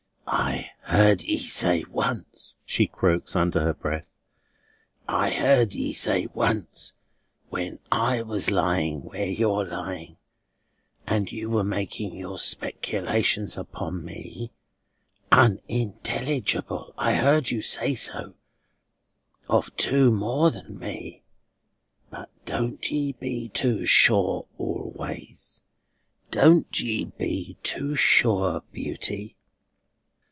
"I heard ye say once," she croaks under her breath, "I heard ye say once, when I was lying where you're lying, and you were making your speculations upon me, 'Unintelligible!' I heard you say so, of two more than me. But don't ye be too sure always; don't be ye too sure, beauty!"